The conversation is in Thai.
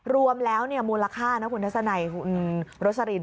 รวมแล้วเนี่ยมูลค่านะคุณทัศน์ไหนโรซาริน